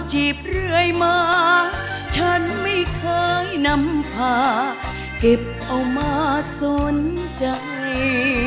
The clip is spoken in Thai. จีบเรื่อยมาฉันไม่เคยนำพาเก็บเอามาสนใจ